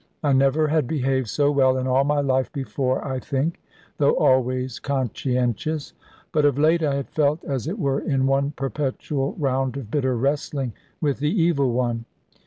I never had behaved so well in all my life before, I think; though always conscientious. But of late I had felt, as it were, in one perpetual round of bitter wrestling with the evil one.